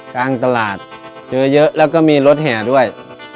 กลางตลาดเจอเยอะแล้วก็มีรถแห่ด้วย